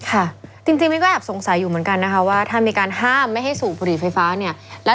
ค่ะจริงใช้การสงสัยเหมือนกันที่มีการห้ามไม่ได้สูดบุหรี่ไฟฟ้า